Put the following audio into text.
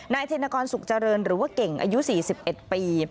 ธินกรสุขเจริญหรือว่าเก่งอายุ๔๑ปี